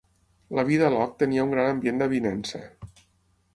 La vida a Locke tenia un gran ambient d'avinença.